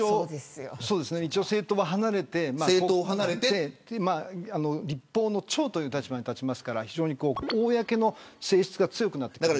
一応、政党を離れて立法の長という立場に立ちますから非常に公の性質が強くなります。